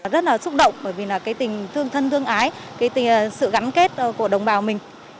rất là xúc động bởi vì là cái tình thương ái cái sự gắn kết của đồng bào mình